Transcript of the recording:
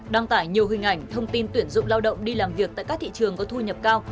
đăng tải nhiều hình ảnh thông tin tuyển dụng lao động đi làm việc tại các thị trường có thu nhập cao